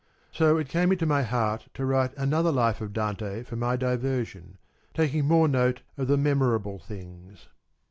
So it came into my heart to write another life of Dante for my diversion, taking more note of the memorable things.